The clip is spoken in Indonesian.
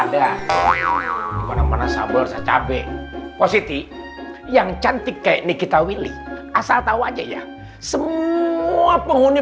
hahaha selada sabel cabe positi yang cantik kayak nikita willy asal tahu aja ya semua penghuni